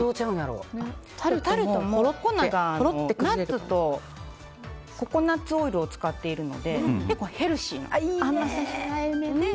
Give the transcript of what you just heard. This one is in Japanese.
タルトの粉が、ナッツとココナツオイルを使っているので結構ヘルシーなんです。